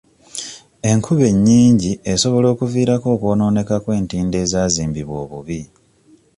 Enkuba ennyingi esobola okuviirako okwonooneka kw'entindo ezaazimbibwa obubi.